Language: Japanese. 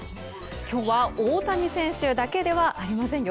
今日は大谷選手だけではありませんよ。